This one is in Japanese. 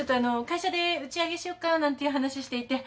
会社で打ち上げしよっかなんていう話していて。